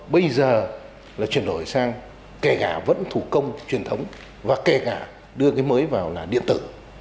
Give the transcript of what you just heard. bây giờ là chuyển đổi sang kẻ gà vẫn thủ công truyền thống và kẻ gà đưa cái mới vào là điện tử